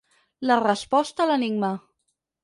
La resposta a l'enigma.